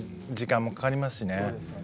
時間もかかりますしね。